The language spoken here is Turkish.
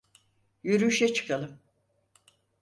Yürüyüşe çıkalım.